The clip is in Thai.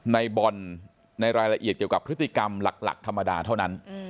ในบอลในรายละเอียดเกี่ยวกับพฤติกรรมหลักธรรมดาเท่านั้น